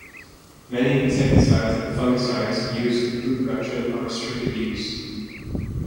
Many insecticides and fungicides used in fruit production are restricted use.